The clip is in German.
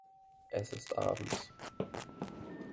Es ist abends.